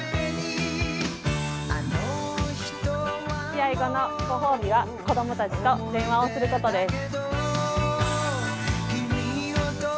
試合後のご褒美は子供たちと電話をすることです。